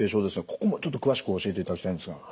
ここもちょっと詳しく教えていただきたいんですが。